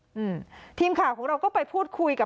อืมทีมข่าวของเราก็ไปพูดคุยกับ